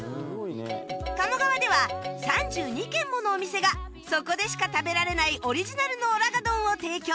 鴨川では３２軒ものお店がそこでしか食べられないオリジナルのおらが丼を提供